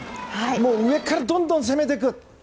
もう上からどんどん攻めていく。